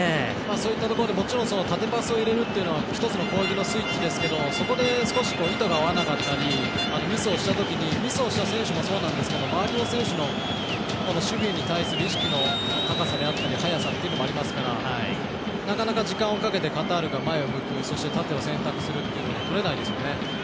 そういったところでもちろん縦パスを入れるっていうのが一つの攻撃のスイッチですけどそこで少し意図が合わなかったりミスをしたときにミスをした選手もそうなんですけど周りの選手の守備に対する意識の高さであったり速さっていうのもありますからなかなか時間をかけてカタールが前を向くそして縦を選択するっていうのがとれないですよね。